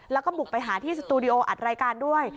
แล้วก็บุกไปหาที่สตูดิโออัดรายการด้วย